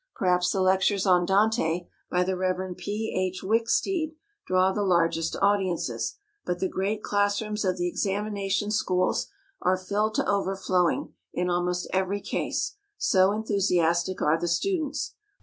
Perhaps the lectures on Dante by the Rev. P. H. Wicksteed draw the largest audiences, but the great class rooms of the examination schools are filled to over flowing in almost every case, so enthusiastic are the students.